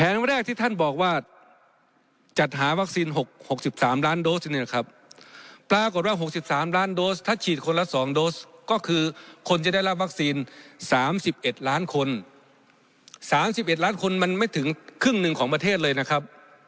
๓๑ล้านคนมันไม่ถึงครึ่งหนึ่งของประเทศเลยนะครับ